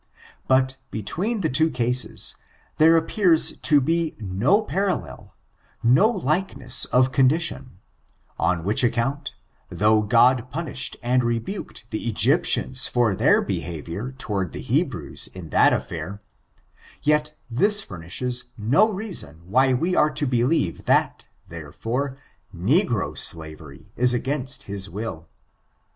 But, between the two cases there appears to be n6 parallel — ^no likeness of condition— on which account, though God punished and rebuked the Egyp tians for their behavior toward the Hebrews in that affair, yet this furnishes no reason why we are to believe that, therefore, negro slavery is against his will.